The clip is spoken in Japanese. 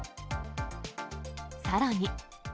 さらに。